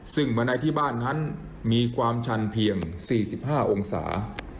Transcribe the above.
ซึ่งบันไดที่บ้านนั้นมีความชันเพียง๔๕องศา